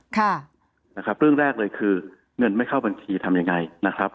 ค่ะนะครับเรื่องแรกเลยคือเงินไม่เข้าบัญชีทำยังไงนะครับ